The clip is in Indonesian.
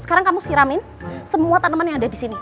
sekarang kamu siramin semua tanaman yang ada disini